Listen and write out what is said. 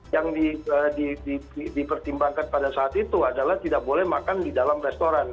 yang dipertimbangkan pada saat itu adalah tidak boleh makan di dalam restoran